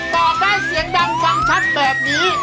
บอกได้เสียงดังฟังชัดแบบนี้